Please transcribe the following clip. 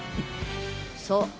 そう！